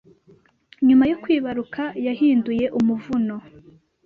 nyuma yo kwibaruka yahinduye umuvuno,